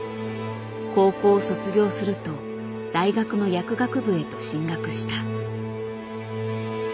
高校を卒業すると大学の薬学部へと進学した。